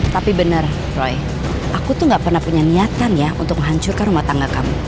tapi bener roy aku tuh gak pernah punya niatan ya untuk menghancurkan rumah tangga kamu